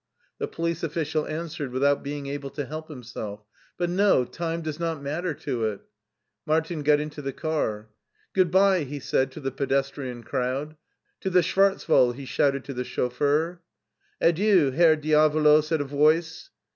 The police official answered without being able to help himself. " But no, time does not matter to it/' Martin got into the car. "Good by," he said to the pedestrian crowd. " To the Schwartz Wald/' he shouted to the chauffeur. " Adieu, Herr Diavolo! " said a voice.